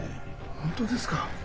本当ですか？